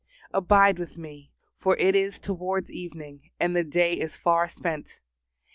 Abide with me, for it is towards evening, and the day is far spent.